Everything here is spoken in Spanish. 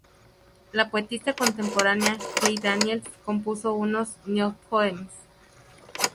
La poetisa contemporánea Kate Daniels compuso unos "Niobe Poems".